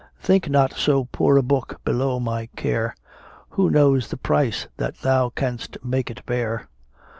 Think not so poor a book below thy care; Who knows the price that thou canst make it bear?